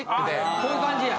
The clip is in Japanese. こういう感じや。